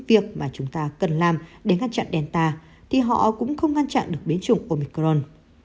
việc mà chúng ta cần làm để ngăn chặn delta thì họ cũng không ngăn chặn được biến chủng omicron